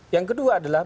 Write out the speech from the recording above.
yang kedua adalah